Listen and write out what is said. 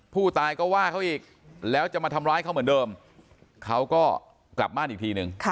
ผู้ตายก็ว่าเขาอีกแล้วจะมาทำร้ายเขาเหมือนเดิมเขาก็กลับบ้านอีกทีนึง